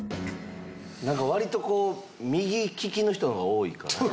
なんかわりとこう右利きの人の方が多いから。